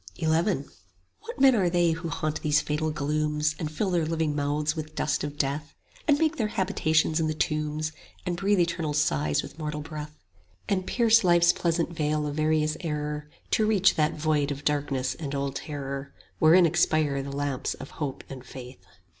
XI What men are they who haunt these fatal glooms, And fill their living mouths with dust of death, And make their habitations in the tombs, And breathe eternal sighs with mortal breath, And pierce life's pleasant veil of various error 5 To reach that void of darkness and old terror Wherein expire the lamps of hope and faith?